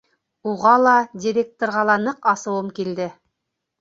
Уға ла, директорға ла ныҡ асыуым килде.